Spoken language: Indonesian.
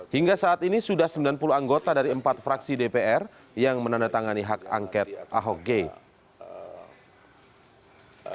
hingga saat ini sudah sembilan puluh anggota dari empat fraksi dpr yang menandatangani hak angket ahok game